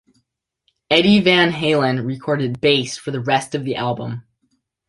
Eddie Van Halen recorded bass for the rest of the album.